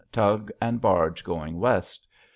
Tug and Barg going West. F.